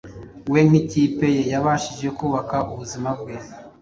we n'ikipe ye yabashije kubaka ubuzima bwe